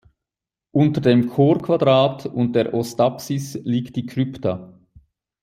Unter dem Chorquadrat und der Ostapsis liegt die Krypta.